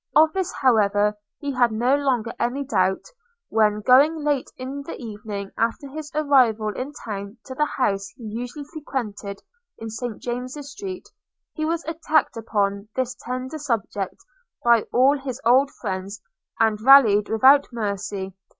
Of this, however, he had no longer any doubt, when, going late in the evening after his arrival in town to the house he usually frequented in St James's street, he was attacked upon this tender subject by all his old friends, and rallied without mercy.